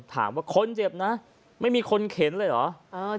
ถามว่าคนเจ็บนะไม่มีคนเข็นเลยเหรอ